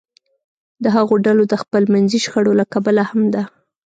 د هغو ډلو د خپلمنځي شخړو له کبله هم ده